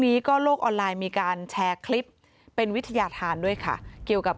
นี้ก็โลกออนไลน์มีการแชร์คลิปเป็นวิทยาธารด้วยค่ะเกี่ยวกับ